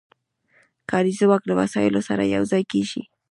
کاري ځواک له وسایلو سره یو ځای کېږي